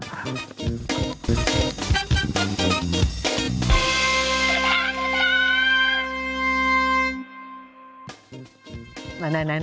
ไหน